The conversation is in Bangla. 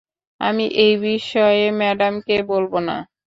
আমি এই বিষয়ে ম্যাডামকে বলব না।